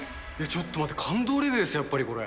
ちょっと待って、感動レベルです、やっぱりこれ。